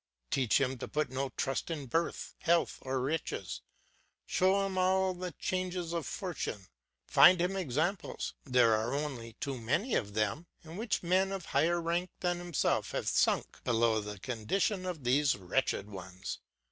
Teach him to put no trust in birth, health, or riches; show him all the changes of fortune; find him examples there are only too many of them in which men of higher rank than himself have sunk below the condition of these wretched ones.